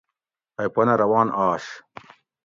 ائی پنہ روان آش